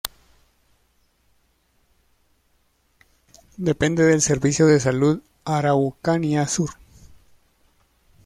Depende del Servicio de Salud Araucanía Sur.